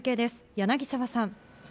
柳沢さん。